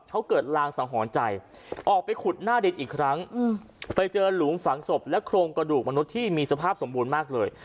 เขาเกิดลางสังหรณ์ใจออกไปขุดหน้าดินอีกครั้งไปเจอหลุมฝังศพและโครงกระดูกมนุษย์ที่มีสภาพสมบูรณ์มากเลย